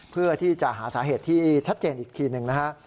เพื่อที่จะหาสาเหตุที่ชัดเจนอีกทีหนึ่งนะฮะ